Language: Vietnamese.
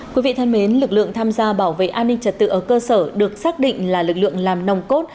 quý vị thân mến lực lượng tham gia bảo vệ an ninh trật tự ở cơ sở được xác định là lực lượng làm nòng cốt